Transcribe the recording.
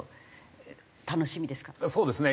そうですね